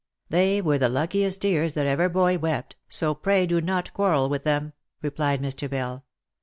" They were the luckiest tears that ever boy wept, so pray do not quar rel with them," replied Mr. Bell.